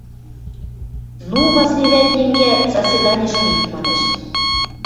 — Ну, Васли-вӓт енгӓ, заседаниш ми, — манеш.